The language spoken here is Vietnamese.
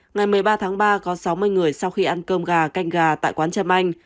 ngày một mươi ba tháng ba có sáu mươi người sau khi ăn cơm gà canh gà tại quán trâm anh